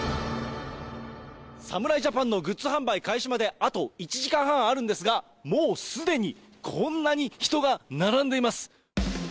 侍ジャパンのグッズ販売開始まで、あと１時間半あるんですが、もうすでにこんなに人が並んでいます。